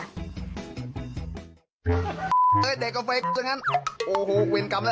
เฮ่ยเด็กกาแฟโอ้โฮอุวินกรรมแล้ว